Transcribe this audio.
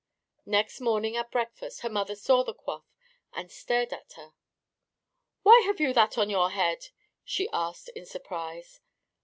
Next morning at breakfast her mother saw the coif and stared at her. "Why have you that on your head?" she asked in surprise.